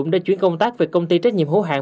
đã chuyển công tác về công ty trách nhiệm hữu hạng